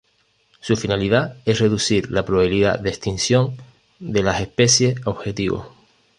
Su finalidad es reducir la probabilidad de extinción de las especies objetivo.